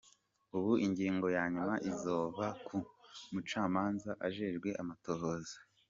Ubu ingingo ya nyuma izova ku mucamanza ajejwe amatohoza.